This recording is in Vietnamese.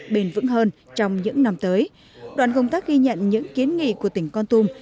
bền vững hơn trong những năm tới đoàn công tác ghi nhận những kiến nghị của tỉnh con tum